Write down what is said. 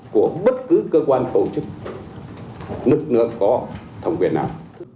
của bất cứ cơ quan tổ chức nước nữa có thống quyền nào